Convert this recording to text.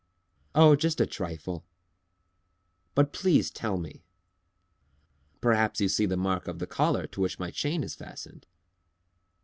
"Oh, just a trifle!" "But please tell me." "Perhaps you see the mark of the collar to which my chain is fastened."